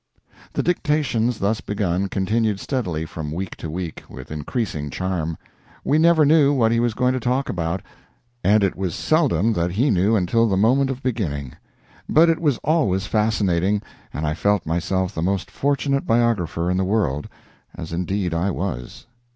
The dictations thus begun continued steadily from week to week, with increasing charm. We never knew what he was going to talk about, and it was seldom that he knew until the moment of beginning. But it was always fascinating, and I felt myself the most fortunate biographer in the world, as indeed I was.